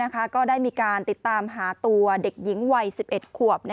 ก็ได้มีการติดตามหาตัวเด็กหญิงวัย๑๑ขวบ